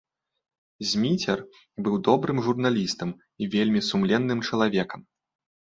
Зміцер быў добрым журналістам і вельмі сумленным чалавекам.